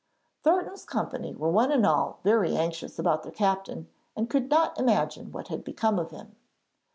Thornton's company were one and all very anxious about their captain and could not imagine what had become of him.